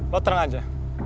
lo terang aja